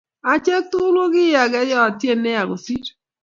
Achek tugul kokiage yotien nea kosir